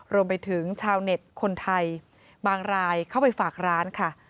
รวมไปถึงชาวเน็ตคนไทยบางรายเข้าไปฝากร้านค่ะ